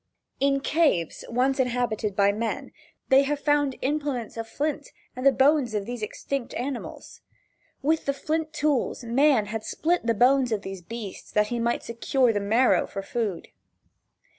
In caves, once inhabited by men, have been found implements of flint and the bones of these extinct animals. With the flint tools man had split the bones of these beasts that he might secure the marrow for food.